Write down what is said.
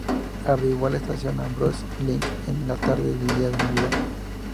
Arribó a la estación Ambrose Light en la tarde del día de Navidad.